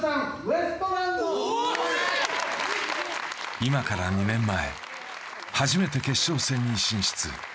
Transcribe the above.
今から２年前、初めて決勝戦に進出。